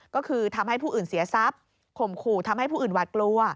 ก็คือทำให้ผู้อื่นเสียทรัพย์ข่มขู่ทำให้ผู้อื่นหวาดกลัว